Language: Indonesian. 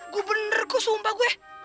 gua bener gua sumpah gua